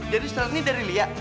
jadi surat ini dari lia